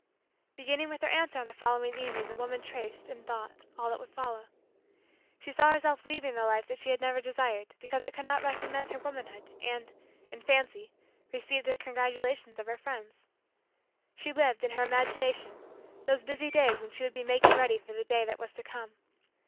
Beginning with her answer on the following evening the woman traced, in thought, all that would follow. She saw herself leaving the life that she had never desired because it could not recognize her womanhood and, in fancy, received the congratulations of her friends. She lived, in her imagination, those busy days when she would be making ready for the day that was to come.